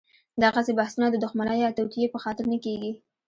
دغسې بحثونه د دښمنۍ یا توطیې په خاطر نه کېږي.